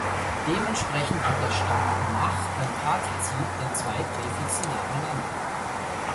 Dementsprechend hat der Stamm "mach" beim Partizip dann zwei Präfixe nacheinander.